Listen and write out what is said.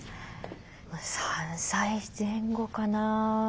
３歳前後かな。